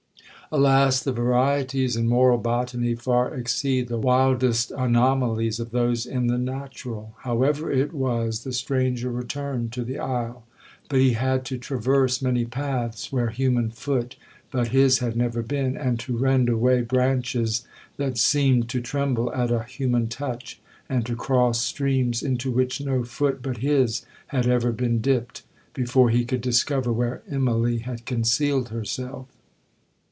Alas! the varieties in moral botany far exceed the wildest anomalies of those in the natural. However it was, the stranger returned to the isle. But he had to traverse many paths, where human foot but his had never been, and to rend away branches that seemed to tremble at a human touch, and to cross streams into which no foot but his had ever been dipped, before he could discover where Immalee had concealed herself.